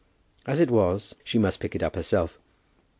As it was, she must pick it up herself.